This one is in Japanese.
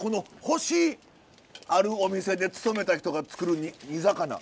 星あるお店で勤めた人が作る煮魚。